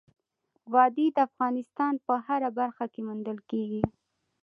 وادي د افغانستان په هره برخه کې موندل کېږي.